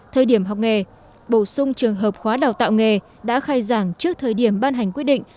thời điểm học nghề bổ sung trường hợp khóa đào tạo nghề đã khai giảng trước thời điểm ban hành quyết định